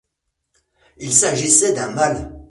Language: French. Il s'agissait d'un mâle.